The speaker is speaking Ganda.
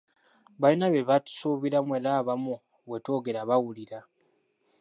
Balina bye batusuubiramu era abamu bwe twogera bawulira.